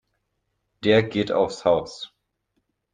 Der geht aufs Haus.